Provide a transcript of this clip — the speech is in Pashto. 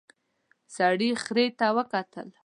سړي خرې ته وکتل.